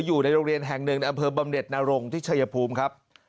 อยู่ในโรงเรียนแห่งหนึ่งในอำเภอบำเน็ตนรงที่ชายภูมิครับ